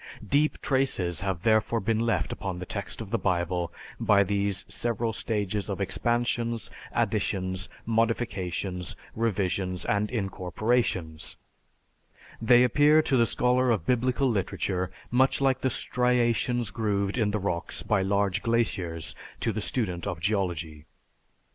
Deep traces have therefore been left upon the text of the Bible by these several stages of expansions, additions, modifications, revisions, and incorporations they appear to the scholar of biblical literature much like the striations grooved in the rocks by large glaciers to the student of Geology."